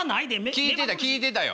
聴いてた聴いてたよ。